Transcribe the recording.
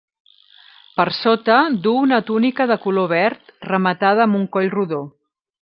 Per sota du una túnica de color verd rematada amb un coll rodó.